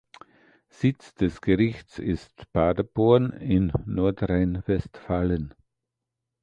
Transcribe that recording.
Sitz des Gerichts ist Paderborn in Nordrhein-Westfalen.